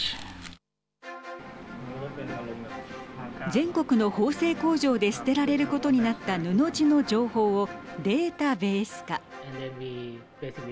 全国の縫製工場で捨てられることになった布地の情報をデータベース化。